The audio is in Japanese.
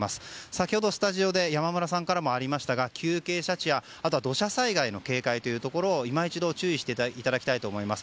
先ほどスタジオで山村さんからもありましたが急傾斜地や土砂災害の警戒を今一度注意していただきたいと思います。